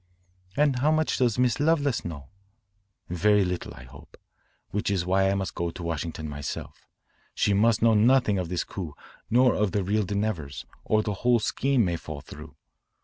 "And how much does Miss Lovelace know?" "Very little I hope. That is why I must go to Washington myself. She must know nothing of this coup nor of the real de Nevers, or the whole scheme may fall through.